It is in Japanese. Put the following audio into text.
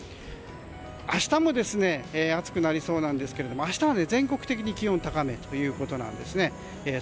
明日も暑くなりそうなんですけれども明日は全国的に気温が高めということです。